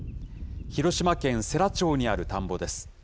広島県世羅町にある田んぼです。